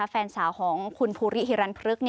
แฟนสาวของคุณภูริฮิรันท์พรึก